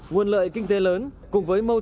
nguồn lợi kinh tế lớn cùng với mâu thuẫn